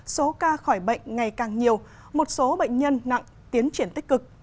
số ca khỏi bệnh ngày càng nhiều một số bệnh nhân nặng tiến triển tích cực